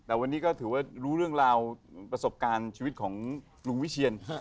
แต่วันนี้ก็ถือว่ารู้เรื่องราวประสบการณ์ชีวิตของลุงวิเชียน